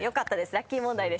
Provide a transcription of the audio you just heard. ラッキー問題でした。